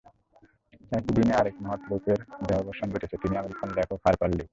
একই দিনে আরেক মহৎ লেখকের দেহাবসান ঘটেছে— তিনি আমেরিকান লেখক হারপার লি।